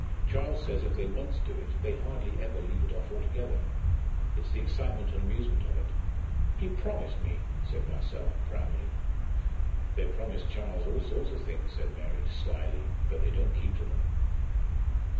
"Charles says, if they once do it, they hardly ever leave it off altogether. It's the excitement and amusement of it." "He promised me," said Marcella, proudly. "They promise Charles all sorts of things," said Mary, slyly; "but they don't keep to them."